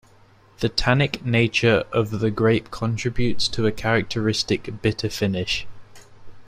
The tannic nature of the grape contributes to a characteristic bitter finish.